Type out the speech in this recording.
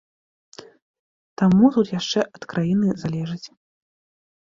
Таму тут яшчэ ад краіны залежыць.